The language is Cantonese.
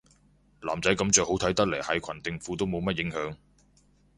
男仔噉着好睇得嚟係裙定褲都冇乜影響